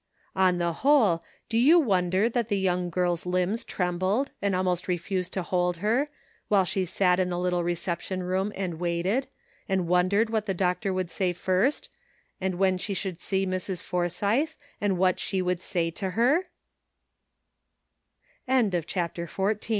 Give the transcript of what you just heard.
On the whole, do you wonder that the young girl's limbs trembled and almost refused to hold her, while she sat in the little reception room and waited, and wondered what the doctor would say first, and when she should see Mrs. Forsythe, and what she